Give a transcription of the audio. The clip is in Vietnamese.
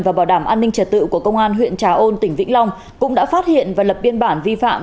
và bảo đảm an ninh trật tự của công an huyện trà ôn tỉnh vĩnh long cũng đã phát hiện và lập biên bản vi phạm